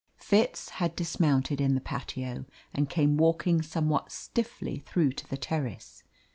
Fitz had dismounted in the patio and came walking somewhat stiffly through to the terrace.